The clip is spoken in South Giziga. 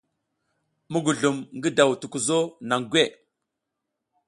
Mugulum ngi daw tukuzo naŋ gwe.